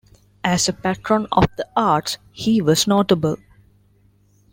As a patron of the arts, he was notable.